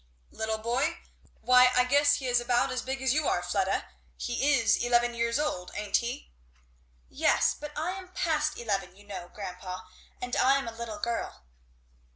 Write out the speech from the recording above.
"Little boy? why I guess he is about as big as you are, Fleda he is eleven years old, ain't he?" "Yes, but I am past eleven, you know, grandpa, and I am a little girl."